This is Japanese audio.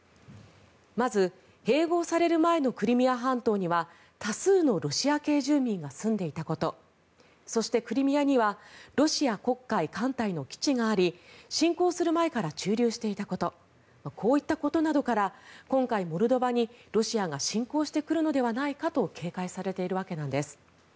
まず、併合される前のクリミア半島には多数のロシア系住民が住んでいたことそしてクリミアにはロシア黒海艦隊の基地があり侵攻する前から駐留していたことこういったことなどから今回、モルドバにロシアが侵攻してくるのではないかと警戒されているわけなんです。